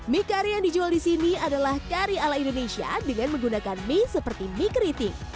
mie kari yang dijual di sini adalah kari ala indonesia dengan menggunakan mie seperti mie keriting